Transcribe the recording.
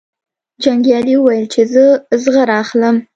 جنګیالي وویل چې زه زغره اخلم.